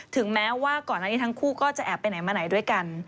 ถึงแม้ว่าก่อนอันนี้ทั้งคู่ก็จะแอบไปไหนมาไหนด้วยกัน